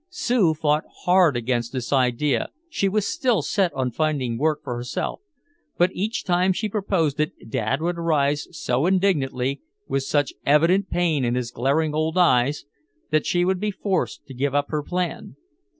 Sue fought hard against this idea, she was still set on finding work for herself, but each time she proposed it Dad would rise so indignantly, with such evident pain in his glaring old eyes, that she would be forced to give up her plan.